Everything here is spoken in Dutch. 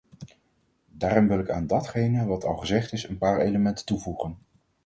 Daarom wil ik aan datgene wat al gezegd is, een paar elementen toevoegen.